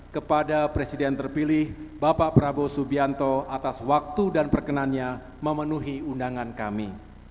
kepada presiden terpilih bapak prabowo subianto atas waktu dan perkenannya memenuhi undangan kami